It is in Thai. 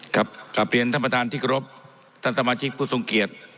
กลับเรียนท่านประธานที่กรบท่านสมาชิกผู้ทรงเกียจ